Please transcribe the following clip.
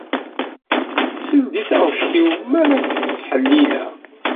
Sel-d i taɣect-iw mi ara k-ttḥellileɣ.